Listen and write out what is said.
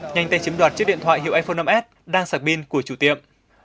nhanh tay chếm đoạt chiếc điện thoại hiệu iphone năm s đang sạc pin của chủ tiệm